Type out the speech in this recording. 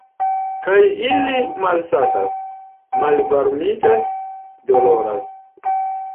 Kaj ili malsatas, malvarmiĝas, doloras.